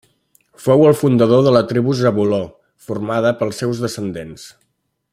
Fou el fundador de la Tribu de Zabuló, formada pels seus descendents.